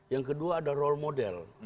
yang kedua ada role model